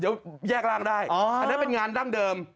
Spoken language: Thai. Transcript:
เดี๋ยวแยกร่างได้อันนั้นเป็นงานดั้งเดิม